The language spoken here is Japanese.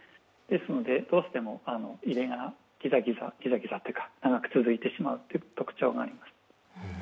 ですので、どうしても揺れがギザギザというか長く続いてしまうという特徴があります。